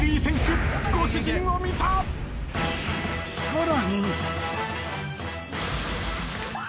［さらに］